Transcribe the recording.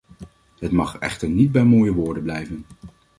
Het mag echter niet bij mooie woorden blijven.